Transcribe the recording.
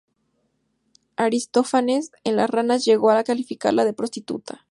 Aristófanes en "las ranas", llegó a calificarla de prostituta.